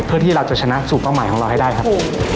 เพื่อที่เราจะชนะสู่เป้าหมายของเราให้ได้ครับ